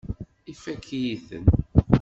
Ifakk-iyi-ten.